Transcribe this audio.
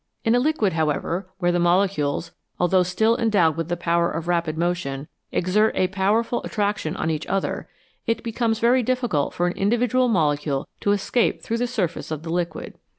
In a liquid, however, where the molecules, although still endowed with the power of rapid motion, exert a power ful attraction on each other, it becomes very difficult for an individual molecule to escape through the surface of the liquid.